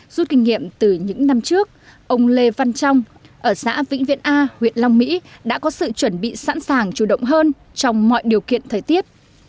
rút kinh nghiệm từ những năm trước ông lê văn trong ở xã vĩnh viện a huyện long mỹ đã có sự chuẩn bị sẵn sàng chủ động hơn trong mọi điều kiện thời tiết